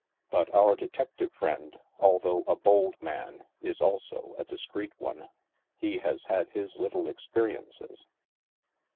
But our detective friend, although a bold man, is also a discreet one. He has had his little experiences.